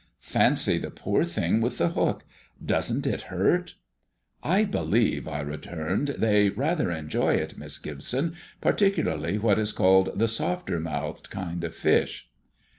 Fancy the poor thing with the hook! doesn't it hurt?" "I believe," I returned, "they rather enjoy it, Miss Gibson; particularly what is called the softer mouthed kind of fish."